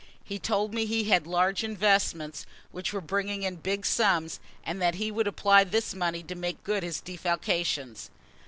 He told me he had large investments which were bringing in big sums and that he would apply this money to making good his defalcations.